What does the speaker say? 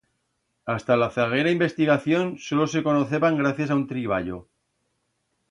Hasta la zaguera investigación solo se conoceban gracias a un triballo.